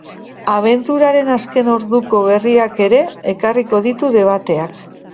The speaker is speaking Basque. Abenturaren azken orduko berriak ere ekarriko ditu debateak.